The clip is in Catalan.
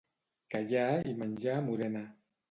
Callar i menjar morena.